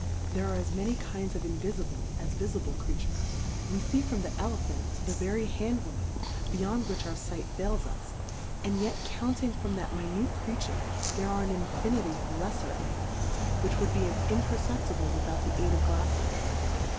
There are as many Kinds of invifible, as vifible Creatures ; we p4 Difcourfes on the we fee from the Elephant to the very Hand Worm, beyond which our Sight fails us, and yec counting from that minute Creature., there are an infinity of lefler Animals, which would be im perceptible, without the aid of GlalTes.